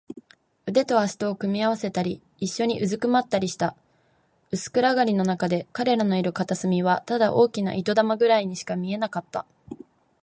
腕と脚とを組み合わせたり、いっしょにうずくまったりした。薄暗がりのなかで、彼らのいる片隅はただ大きな糸玉ぐらいにしか見えなかった。